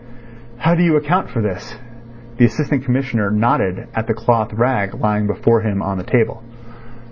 "How do you account for this?" The Assistant Commissioner nodded at the cloth rag lying before him on the table.